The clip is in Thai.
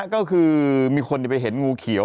ก็คือมีคนไปเห็นงูเขียว